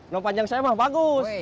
nama panjang saya mak bagus